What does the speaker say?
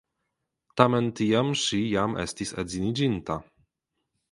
Tamen tiam ŝi jam estis edziniĝinta.